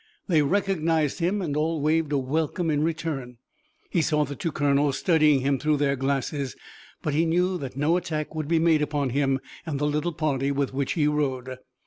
They recognized him, and all waved a welcome in return. He saw the two colonels studying him through their glasses, but he knew that no attack would be made upon him and the little party with which he rode.